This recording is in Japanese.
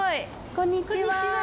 こんにちは。